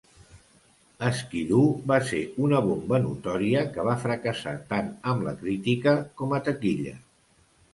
"Skidoo" va ser una bomba notòria, que va fracassar tant amb la crítica com a taquilla.